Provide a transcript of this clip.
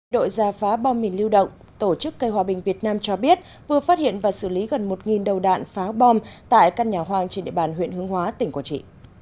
đội gia phá bom mình lưu động tổ chức cây hòa bình việt nam cho biết vừa phát hiện và xử lý gần một đầu đạn phá bom tại căn nhà hoang trên địa bàn huyện hướng hóa tỉnh quảng trị